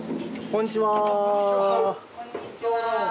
こんにちは。